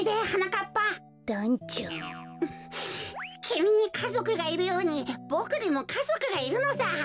きみにかぞくがいるようにボクにもかぞくがいるのさ。